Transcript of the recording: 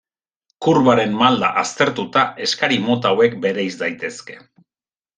Kurbaren malda aztertuta, eskari mota hauek bereiz daitezke.